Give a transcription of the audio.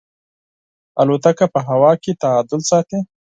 الوتکه په هوا کې تعادل ساتي.